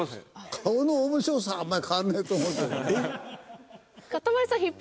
顔の面白さはあんまり変わんないと思うけどね。